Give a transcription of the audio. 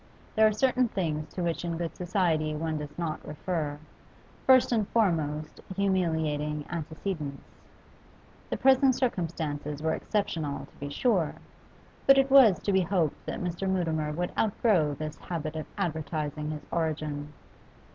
There are certain things to which in good society one does not refer, first and foremost humiliating antecedents. The present circumstances were exceptional to be sure, but it was to be hoped that Mr. Mutimer would outgrow this habit of advertising his origin.